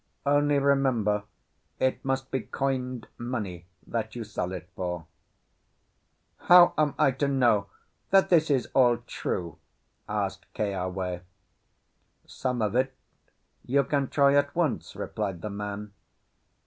Only remember it must be coined money that you sell it for." "How am I to know that this is all true?" asked Keawe. "Some of it you can try at once," replied the man.